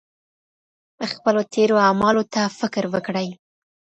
خپلو تېرو اعمالو ته فکر وکړئ.